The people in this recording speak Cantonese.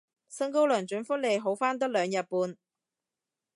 薪高糧準福利好返得兩日半